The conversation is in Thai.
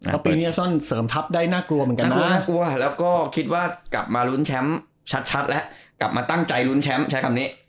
เพราะปีนี้ซ่อนเสริมทัพได้น่ากลัวเหมือนกันนะน่ากลัวแล้วก็คิดว่ากลับมาลุ้นแชมป์ชัดแล้วกลับมาตั้งใจลุ้นแชมป์ใช้คำนี้